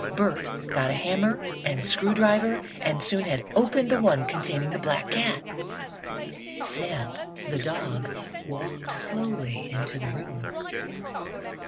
Bert got a hammer and screw driver and soon had opened the one containing the black cat. Snap, the dog, walked slowly into the room.